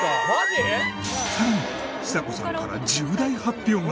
さらにちさ子さんから重大発表が